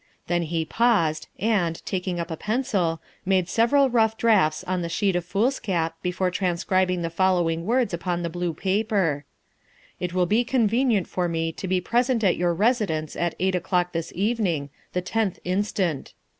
Then he paused and, taking up a pencil, made several rough draughts on the sheet of foolscap before transcribing the following words upon the blue paper: " It will be convenient for me to be present at your residence at eight o'clock this evening, the 10th instant.